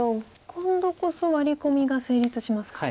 今度こそワリ込みが成立しますか。